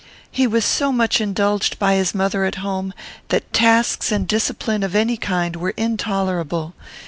He was so much indulged by his mother at home, that tasks and discipline of any kind were intolerable.